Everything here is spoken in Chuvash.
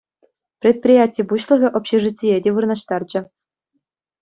Предприяти пуҫлӑхӗ общежитие те вырнаҫтарчӗ.